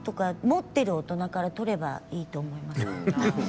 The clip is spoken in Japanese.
持ってる大人から取ればいいと思います。